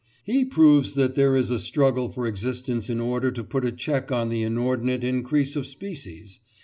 "He proves that there is a struggle for existence in order to put a check on the inordinate increase of species.